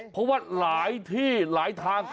เพราะว่าหลายที่หลายทาง